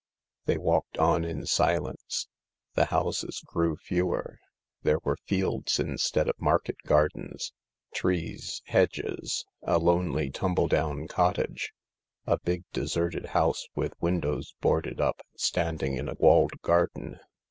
They walked on in silence. The houses grew fewer. There were fields instead of market gardens. Trees ; hedges. A lonely, tumble down cottage. A big deserted house, with windows boarded up, standing in a walled garden.